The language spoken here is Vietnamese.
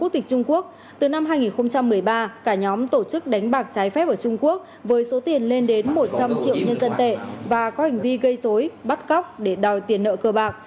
từ trung quốc từ năm hai nghìn một mươi ba cả nhóm tổ chức đánh bạc trái phép ở trung quốc với số tiền lên đến một trăm linh triệu nhân dân tệ và có hành vi gây dối bắt cóc để đòi tiền nợ cơ bạc